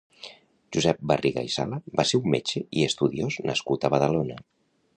Josep Barriga i Sala va ser un metge i estudiós nascut a Badalona.